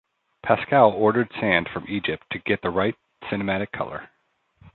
Pascal ordered sand from Egypt to get the right cinematic color.